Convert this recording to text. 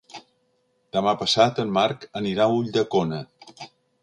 Demà passat en Marc anirà a Ulldecona.